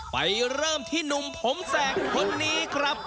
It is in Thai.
ไปเริ่มที่หนุ่มผมแสกคนนี้ครับ